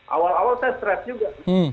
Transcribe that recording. awal awal saya stres juga